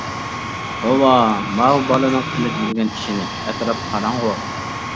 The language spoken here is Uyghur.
-توۋا. ماۋۇ بالىنىڭ قىلىپ يۈرگەن ئىشىنى. ئەتراپ قاراڭغۇ.